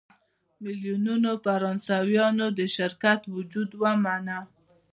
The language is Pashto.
میلیونونو فرانسویانو د شرکت وجود ومانه.